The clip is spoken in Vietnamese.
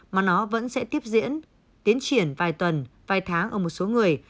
mà nó vẫn sẽ tiếp diễn tiến triển vài tuần vài tháng ở một số người